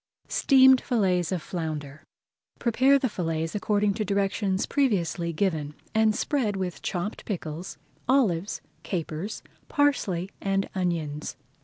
STEAMED FILLETS OF FLOUNDER Prepare the fillets according to directions previously given, and spread with chopped pickles, olives, capers, parsley, and onions.